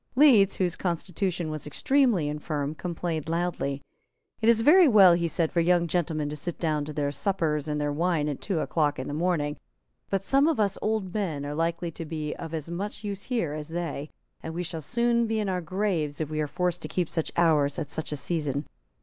Leeds, whose constitution was extremely infirm, complained loudly. "It is very well," he said, "for young gentlemen to sit down to their suppers and their wine at two o'clock in the morning; but some of us old men are likely to be of as much use here as they; and we shall soon be in our graves if we are forced to keep such hours at such a season."